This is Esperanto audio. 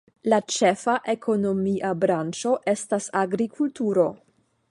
La ĉefa ekonomia branĉo estas agrikulturo.